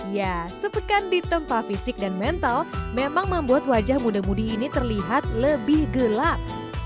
ya sepekan ditempa fisik dan mental memang membuat wajah muda mudi ini terlihat lebih gelap